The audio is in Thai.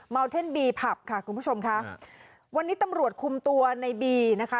เท่นบีผับค่ะคุณผู้ชมค่ะวันนี้ตำรวจคุมตัวในบีนะคะ